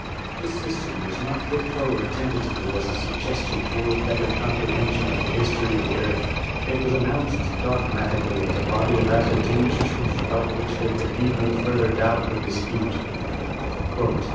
This system was not put forward tentatively as a sug gestion toward a better comprehension of the history of the earth. It was announced dogmatically as a body of ascertained truth about which there could be no further doubt or dispute.